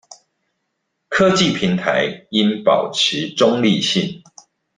科技平台應保持中立性